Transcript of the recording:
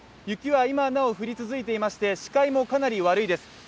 雪は今なお降り続いていまして視界もかなり悪いです